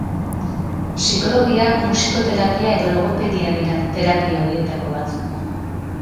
Psikologia, musikoterapia edo logopedia dira terapia horietako batzuk.